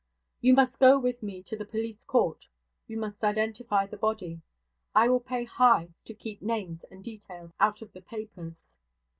You must go with me to the police court; you must identify the body; I will pay high to keep names and details out of the papers.'